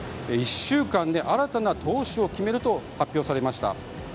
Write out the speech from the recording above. １週間で新たな党首を決めると発表されました。